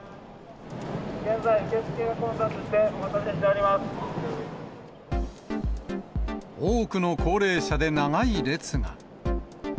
現在受付が混雑して、お待た多くの高齢者で長い列が。